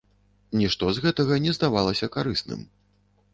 Нішто з гэтага не здавалася карысным.